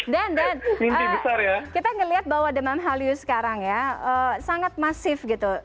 dan dan kita ngeliat bahwa demam halius sekarang ya sangat masif gitu